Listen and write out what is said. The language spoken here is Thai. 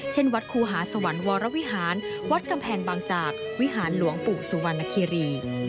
วัดครูหาสวรรค์วรวิหารวัดกำแพงบางจากวิหารหลวงปู่สุวรรณคีรี